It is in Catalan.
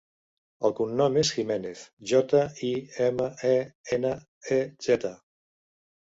El cognom és Jimenez: jota, i, ema, e, ena, e, zeta.